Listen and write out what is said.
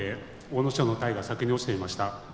阿武咲の体が先に落ちていました。